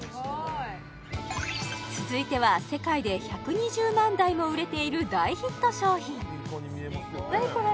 続いては世界で１２０万台も売れている大ヒット商品何これ？